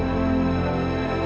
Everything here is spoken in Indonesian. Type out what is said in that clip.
lepas sama aku